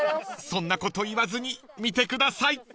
［そんなこと言わずに見てください］